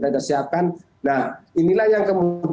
dia akan buat